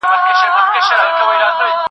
اوبه پاکه کړه.